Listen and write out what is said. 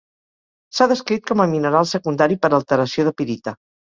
S'ha descrit com a mineral secundari per alteració de pirita.